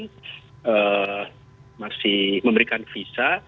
mereka masih memberikan visa